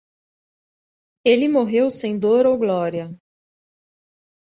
Ele morreu sem dor ou glória.